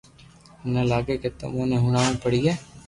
ميني لاگي ڪي تمو ني ھڻاوہ پڙئي